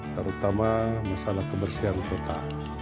terutama masalah kebersihan kota